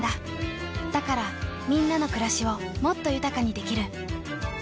だからみんなの暮らしをもっと豊かにできる。